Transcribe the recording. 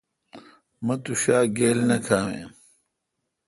مہ تو ݭا گیل نہ کھاوین۔